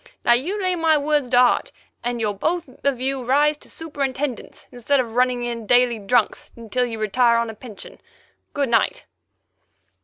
Now you lay my words to heart, and you'll both of you rise to superintendents, instead of running in daily 'drunks' until you retire on a pension. Good night."